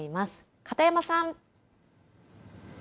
片山さん。